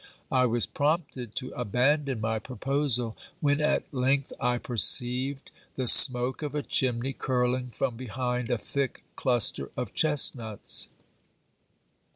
I was prompted to abandon my proposal, when at length I perceived the smoke of a chimney curling from behind a thick cluster of chestnuts.